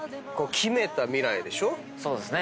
そうですね。